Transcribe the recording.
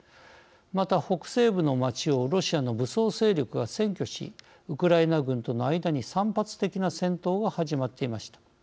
また、北西部の街をロシアの武装勢力が占拠しウクライナ軍との間に散発的な戦闘が始まっていました。